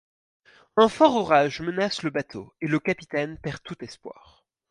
Un fort orage menace le bateau et le capitaine perd tout espoir.